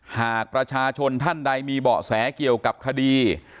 หากประชาชนท่านใดมีเบาะแสเกี่ยวกับคดี